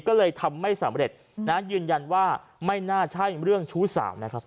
ก็เลยทำไม่สำเร็จนะยืนยันว่าไม่น่าใช่เรื่องชู้สาวนะครับ